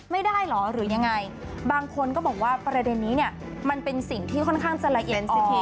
ไม่ได้เหรอหรือยังไงบางคนก็บอกว่าประเด็นนี้เนี่ยมันเป็นสิ่งที่ค่อนข้างจะละเอียดสักที